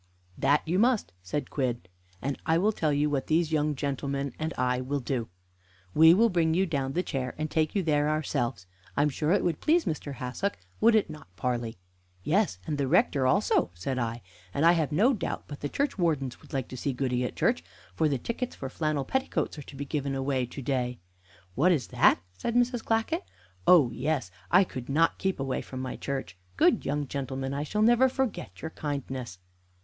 "That you must," said Quidd, "and I will tell you what these young gentlemen and I will do. We will bring down the chair, and take you there ourselves. I am sure it would please Mr. Hassock. Would it not, Parley?" "Yes, and the rector also," said I. "And I have no doubt but the churchwardens would like to see Goody at church, for the tickets for flannel petticoats are to be given away to day." "What is that?" said Mrs. Clackett. "Oh, yes, I could not keep away from my church! Good young gentlemen, I shall never forget your kindness."